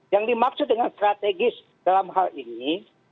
yang dimaksud dengan strategis dalam hal ini